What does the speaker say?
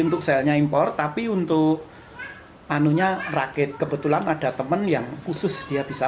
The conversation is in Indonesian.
untuk selnya impor tapi untuk anunya rakit kebetulan ada teman yang khusus dia bisa